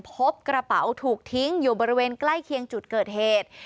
พบกระเป๋าถูกทิ้งอยู่บริเวณใกล้เคียงจุดเกิดเหตุ